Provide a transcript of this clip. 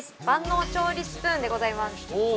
万能調理スプーンでございます。